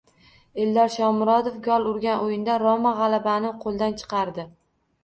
Eldor Shomurodov gol urgan o‘yinda “Roma” g‘alabani qo‘ldan chiqardi